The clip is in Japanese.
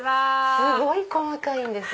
すごい細かいんです。